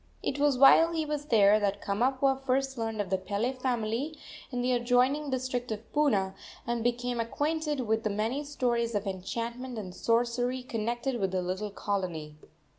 It was while he was there that Kamapuaa first learned of the Pele family in the adjoining district of Puna, and became acquainted with the many stories of enchantment and sorcery connected with the little colony.